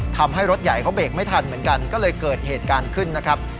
ทำให้รถใหญ่เขาเบรกไม่ทันเหมือนกันก็เลยเกิดเหตุการณ์ขึ้นนะครับ